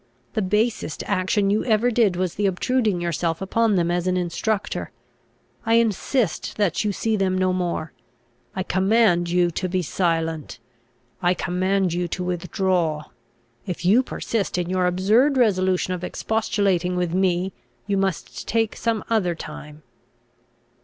The basest action you ever did was the obtruding yourself upon them as an instructor. I insist that you see them no more. I command you to be silent. I command you to withdraw. If you persist in your absurd resolution of expostulating with me, you must take some other time."